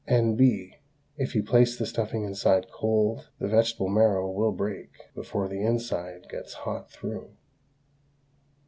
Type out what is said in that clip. N.B. If you place the stuffing inside cold, the vegetable marrow will break before the inside gets hot through.